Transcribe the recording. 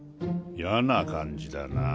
やな感じだなァ。